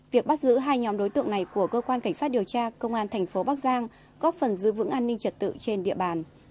việc bắt giữ hai nhóm đối tượng này của cơ quan cảnh sát điều tra công an thành phố bắc giang góp phần giữ vững an ninh trật tự trên địa bàn